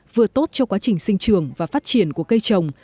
vừa tốt cho quá trình sinh trường và phát triển của cây trồng